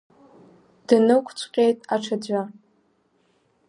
Дыниқәцәҟьеит аҽаӡәы.